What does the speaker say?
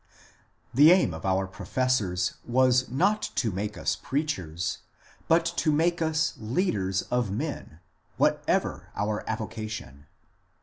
The aim of our professors was not to make us preachers, but to make us leaders of men, whatever our avocation.